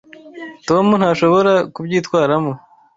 Tom ntashobora kubyitwaramo.